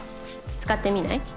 使ってみない？